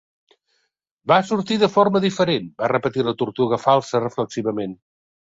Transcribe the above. "Va sortir de forma diferent", va repetir la tortuga falsa reflexivament.